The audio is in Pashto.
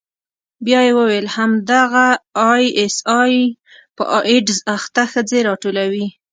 بيا يې وويل همدغه آى اس آى په ايډز اخته ښځې راټولوي.